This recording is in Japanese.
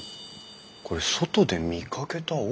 これ外で見かけた桶？